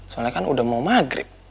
soalnya kan udah mau maghrib